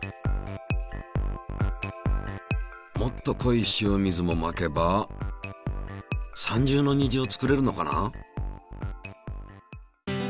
もっと濃い塩水もまけば３重の虹を作れるのかな？